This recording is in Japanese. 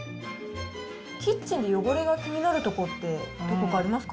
キッチンの汚れが気になる所って、どこかありますか？